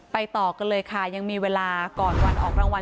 ต่อกันเลยค่ะยังมีเวลาก่อนวันออกรางวัล